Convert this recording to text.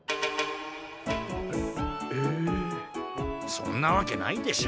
そんなわけないでしょ。